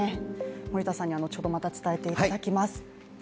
森田さんにはまた後ほど伝えていただきます。